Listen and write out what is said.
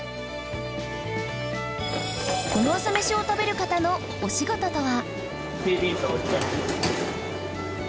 この朝メシを食べる方のお仕事とは？